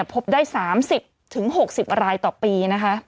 พบได้๓๐๖๐รายต่อปีนะคะ